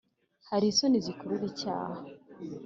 hari isoni zikurura icyaha,